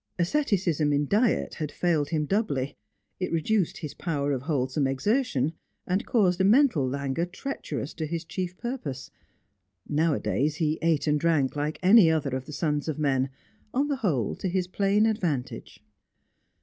Asceticism in diet had failed him doubly; it reduced his power of wholesome exertion, and caused a mental languor treacherous to his chief purpose. Nowadays he ate and drank like any other of the sons of men, on the whole to his plain advantage.